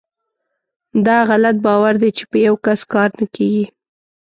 داغلط باور دی چې په یوکس کار نه کیږي .